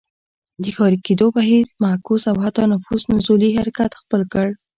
د ښاري کېدو بهیر معکوس او حتی نفوس نزولي حرکت خپل کړ.